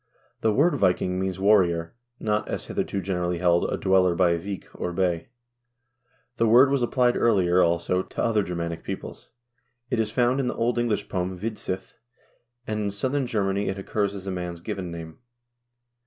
The word viking means warrior, not, as hitherto generally held, a dweller by a vik, or bay.1 The word was applied earlier, also, to other Ger manic peoples. It is found in the Old English poem " Widsith," 2 and in South Germany it occurs as a man's given name.